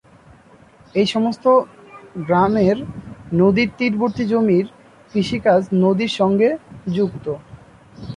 এই সমস্ত গ্রামের নদীর তীরবর্তী জমির কৃষি কাজ নদীর সঙ্গে যুক্ত।